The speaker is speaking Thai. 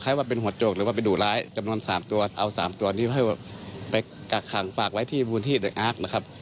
ใครว่าเป็นหัวโจกหรือว่าเป็นดูดร้ายจำนวน๓ตัวเอา๓ตัวนี้ไปกักขังฝากไว้ที่บุญที่เดือดอักษ์